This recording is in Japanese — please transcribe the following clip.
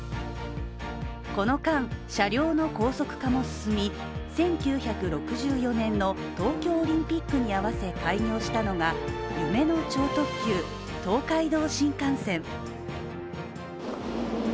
この間、車両の高速化も進み１９６４年の東京オリンピックに合わせ開業したのが夢の超特急、東海道新幹線。